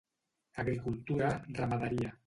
Agricultura, ramaderia.